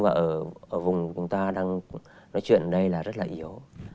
và ở vùng chúng ta đang nói chuyện ở đây là rất là yếu